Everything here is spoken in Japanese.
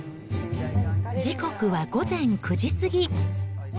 時刻は午前９時過ぎ。